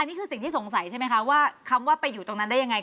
นี่คือสิ่งที่สงสัยใช่ไหมคะว่าคำว่าไปอยู่ตรงนั้นได้ยังไง